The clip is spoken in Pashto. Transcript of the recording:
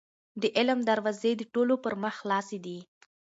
د علم دروازې د ټولو پر مخ خلاصې دي.